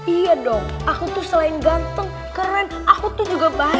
iya dong aku tuh selain ganteng keren aku tuh juga bahagia